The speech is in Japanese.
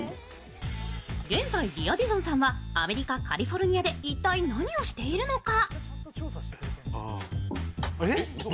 現在リア・ディゾンさんはアメリカ・カリフォルニアで一体何をされているのか？